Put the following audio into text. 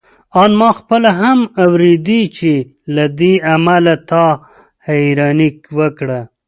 آن ما خپله هم اورېدې چې له دې امله تا حيراني وکړه.